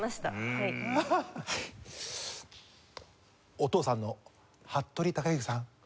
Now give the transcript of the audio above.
お父さんの服部之さん。